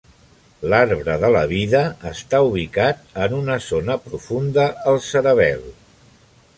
L'arbre de la vida està ubicat en una zona profunda al cerebel.